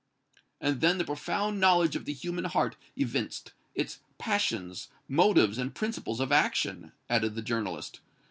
"And, then, the profound knowledge of the human heart evinced its passions, motives and principles of action," added the journalist.